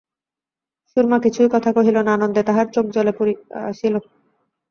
সুরমা কিছুই কথা কহিল না, আনন্দে তাহার চোখ জলে পুরিয়া আসিল।